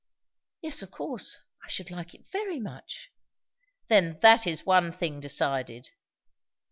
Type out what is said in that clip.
"Yes, of course. I should like it very much." "Then that is one thing decided."